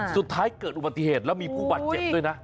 สุดท้ายเกิดอุบัติเหตุแล้วมีปุบัติเจ็บด้วยนะ